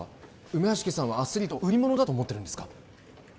梅屋敷さんはアスリートを売り物だと思ってるんですか？